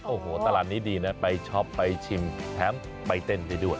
โอ้โหตลาดนี้ดีนะไปช็อปไปชิมแถมไปเต้นได้ด้วย